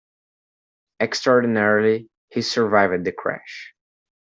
Extraordinarily he survived the crash.